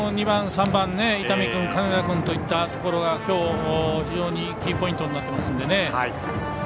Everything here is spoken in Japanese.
２番、３番伊丹君、金田君といったところがきょう、非常にキーポイントになってますのでね。